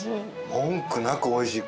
文句なくおいしい！